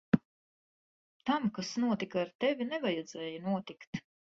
Tam, kas notika ar tevi, nevajadzēja notikt.